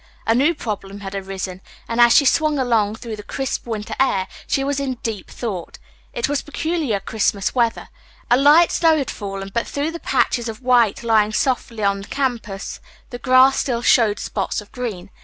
A new problem had arisen, and as she swung along through the crisp winter air she was deep in thought. It was peculiar Christmas weather. A light snow had fallen, but through the patches of white lying softly on the campus the grass still showed spots of green.